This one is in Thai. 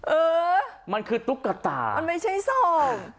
เออมันคือตุ๊กตามันไม่ใช่ส่ง